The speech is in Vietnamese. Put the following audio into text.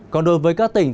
còn đối với các tỉnh